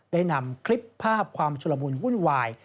ได้นำคลิปภาพความชุลมุนวุ่นวาย